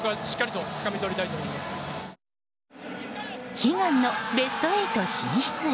悲願のベスト８進出へ。